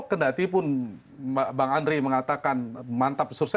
kandati pun bang andri mengatakan mantap